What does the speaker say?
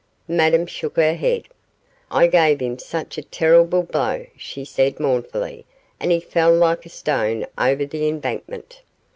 Madame shook her head. 'I gave him such a terrible blow,' she said, mournfully, 'and he fell like a stone over the embankment.